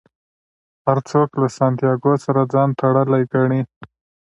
هر څوک له سانتیاګو سره ځان تړلی ګڼي.